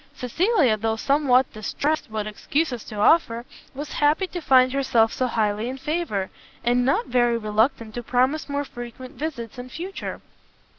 Cecilia, though somewhat distressed what excuses to offer, was happy to find herself so highly in favour, and not very reluctant to promise more frequent visits in future.